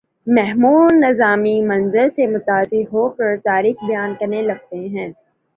محمود نظامی منظر سے متاثر ہو کر تاریخ بیان کرنے لگتے ہیں